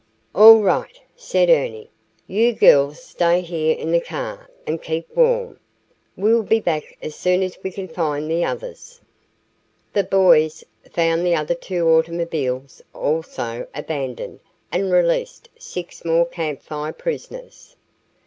"All right," said Ernie; "you girls stay here in the car and keep warm. We'll be back as soon as we can find the others." The boys found the other two automobiles also abandoned and released six more Camp Fire prisoners.